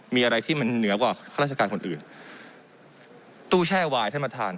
มีอะไรที่มันเหนือกว่าข้าราชการคนอื่นตู้แช่วายท่านประธาน